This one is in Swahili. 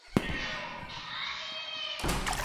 bilioni thelathini na nne za Kenya